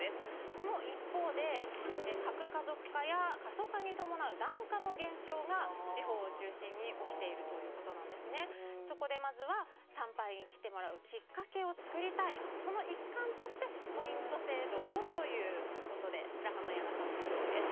その一方で核家族化や過疎化に伴う檀家の減少が、地方を中心に起きているということでそこで、まずは参拝に来てもらうきっかけを作りたい、その一環としてポイント制度をということで白羽の矢が立っているんです。